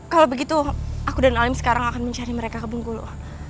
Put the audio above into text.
kalau begitu aku dan alim sekarang akan mencari mereka ke bengkulu